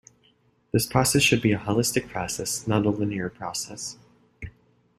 This process should be a holistic process, not a linear process.